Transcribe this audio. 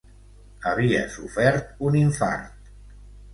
Havia sofert un infart.